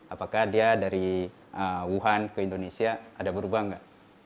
apakah dia dari wuhan ke indonesia ada berubah nggak